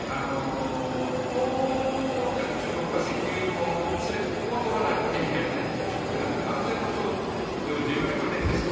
ここを中国は石油も全てここを通らないと手に入らないということで安全保障上重要な拠点です。